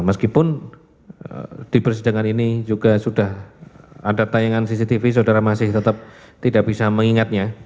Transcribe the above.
meskipun di persidangan ini juga sudah ada tayangan cctv saudara masih tetap tidak bisa mengingatnya